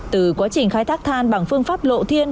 từ quá trình khai thác than bằng phương pháp lộ thiên